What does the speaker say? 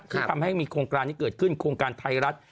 ที่ทำให้มีโครงการนี้เกิดขึ้นโครงการไทยรัฐ